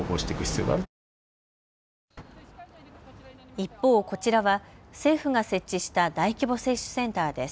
一方、こちらは政府が設置した大規模接種センターです。